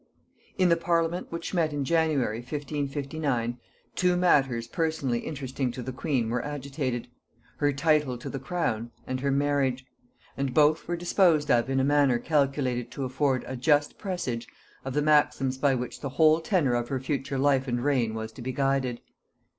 In the parliament which met in January 1559, two matters personally interesting to the queen were agitated; her title to the crown, and her marriage; and both were disposed of in a manner calculated to afford a just presage of the maxims by which the whole tenor of her future life and reign was to be guided.